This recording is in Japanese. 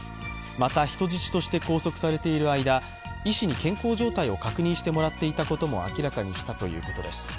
また、人質として拘束されている間医師に健康状態を確認してもらっていたことも明らかにしたということです。